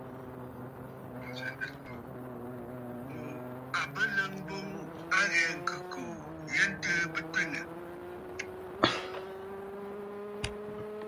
Ŋù à bə ləŋ boŋ a ghɛɛ ŋ̀khɨ̂kòò ghɛɛ ntɨɨ bɨ twiŋə̀.